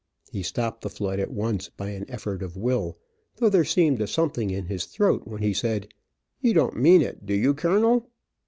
He stopped the flood at once, by an effort of will, though there seemed a something in his throat when he said, "You don't mean it, do you, kernel?"